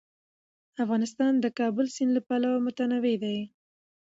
افغانستان د د کابل سیند له پلوه متنوع دی.